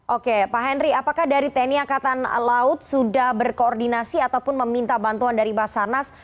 oke pak henry apakah dari tni angkatan laut sudah berkoordinasi ataupun meminta bantuan dari basarnas